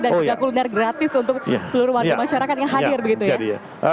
dan juga kuliner gratis untuk seluruh masyarakat yang hadir